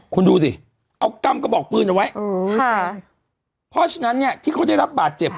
คุณดูสิเอากำกระบอกปืนเอาไว้อ๋อค่ะเพราะฉะนั้นเนี่ยที่เขาได้รับบาดเจ็บ